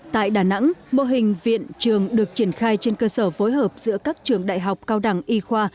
tại đà nẵng mô hình viện trường được triển khai trên cơ sở phối hợp giữa các trường đại học cao đẳng y khoa